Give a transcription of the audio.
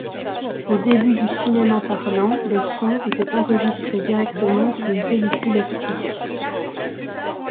Au début du cinéma parlant, le son était enregistré directement sur une pellicule optique.